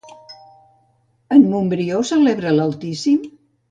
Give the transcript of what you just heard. En Montbrió celebra l'Altíssim?